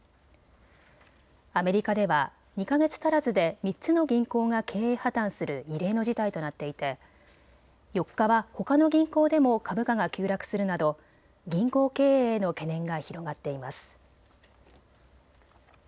アメリカでは２か月足らずで３つの銀行が経営破綻する異例の事態となっていて４日はほかの銀行でも株価が急落するなど銀行経営への懸念が広がっています。